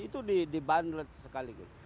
itu dibundle sekaligus